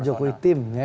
bukan pak jokowi tim